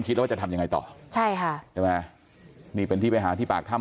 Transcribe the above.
คิดว่าจะทำยังไงต่อใช่ค่ะใช่ไหมนี่เป็นที่ไปหาที่ปากถ้ำ